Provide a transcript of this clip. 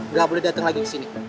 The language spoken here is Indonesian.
gak boleh dateng lagi kesini